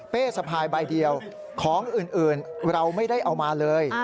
สะพายใบเดียวของอื่นเราไม่ได้เอามาเลย